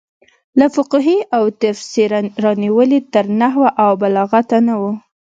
له فقهې او تفسیره رانیولې تر نحو او بلاغته نه وو.